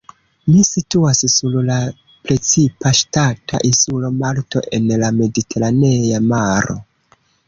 Ĝi situas sur la la precipa ŝtata insulo Malto en la Mediteranea Maro.